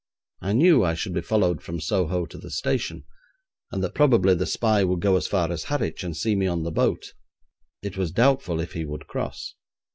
I knew I should be followed from Soho to the station, and that probably the spy would go as far as Harwich, and see me on the boat. It was doubtful if he would cross.